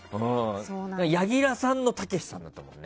柳楽さんのたけしさんだったね。